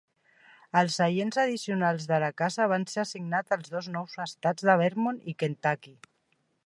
Els seients addicionals de la casa van ser assignats als dos nous estats de Vermont i Kentucky.